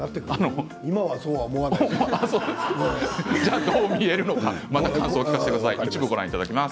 今はそう思わないけど。